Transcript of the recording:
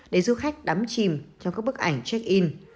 để du khách đắm chìm theo các bức ảnh check in